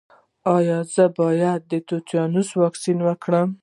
ایا زه باید د تیتانوس واکسین وکړم؟